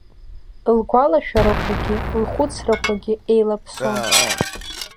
Лгәалашәарақәагьы лхәыцрақәагьы еилаԥсон.